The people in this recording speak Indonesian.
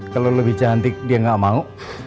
kalau lebih cantik dia nggak mau